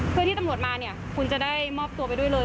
เพื่อที่ตำรวจมาเนี่ยคุณจะได้มอบตัวไปด้วยเลย